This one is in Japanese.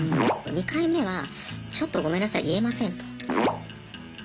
２回目はちょっとごめんなさい言えませんと。